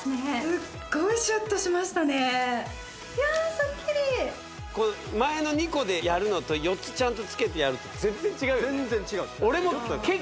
スッゴいシュッとしましたねいやスッキリ前の２個でやるのと４つちゃんとつけてやると全然違うんです